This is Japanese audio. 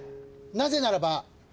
なぜならば。